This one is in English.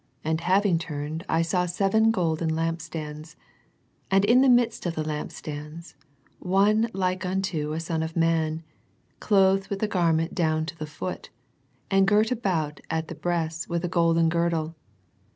And having turned I saw seven golden lampstands; and in the midst of the lampstands One like unto a Son of man, clothed with a gar ment down to the foot, and girt about at the breasts with a golden girdle.